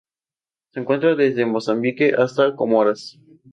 Se encuentra desde Mozambique hasta Comoras.